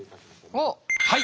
はい。